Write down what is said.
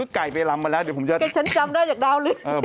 เดี๋ยวผมจะแค่ฉันจำได้อยากดาวนึก